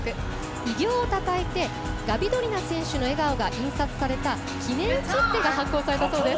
偉業をたたえてガビドリナ選手の笑顔が印刷された記念切手が発行されたそうです。